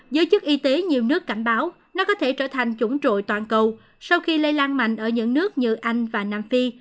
giới chức y tế nhiều nước cảnh báo nó có thể trở thành chủng toàn cầu sau khi lây lan mạnh ở những nước như anh và nam phi